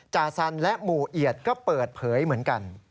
จันและหมู่เอียดก็เปิดเผยเหมือนกัน